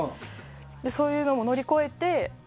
そういうのも乗り越えて。